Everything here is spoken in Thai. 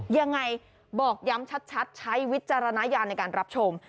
ยังไงบอกย้ำชัดใช้วิจารณญาณในการรับชม